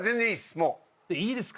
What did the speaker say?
もういいですか？